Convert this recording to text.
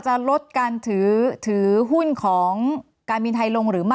จะลดการถือหุ้นของการบินไทยลงหรือไม่